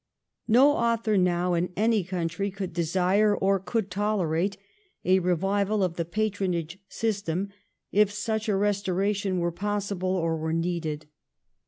No author now in any country could desire or could tolerate a revival of the patronage system if such a restoration were possible or were needed.